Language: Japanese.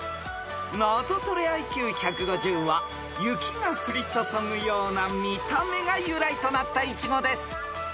［ナゾトレＩＱ１５０は雪が降り注ぐような見た目が由来となったイチゴです］